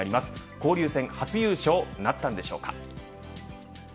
交流戦初優勝なったんでしょうか。